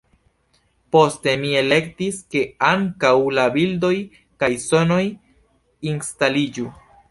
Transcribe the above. Poste mi elektis, ke ankaŭ la bildoj kaj sonoj instaliĝu.